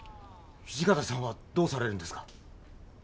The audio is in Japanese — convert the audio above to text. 土方さんはどうされるんですか？